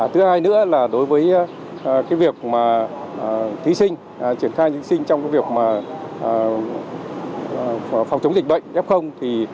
thứ hai nữa là đối với việc thí sinh triển khai thí sinh trong việc phòng chống dịch bệnh f